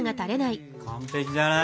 完璧じゃない？